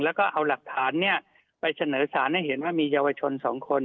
แล้วก็เอาหลักฐานไปเสนอสารให้เห็นว่ามีเยาวชน๒คน